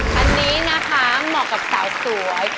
อันนี้นะคะเหมาะกับสาวสวย